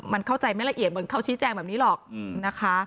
มันเข้าใจไม่ละเอียดเหมือนเขาชี้แจงแบบนี้หรอกนะคะ